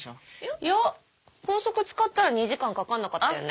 いや高速使ったら２時間かかんなかったよね？